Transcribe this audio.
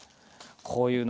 こういうの。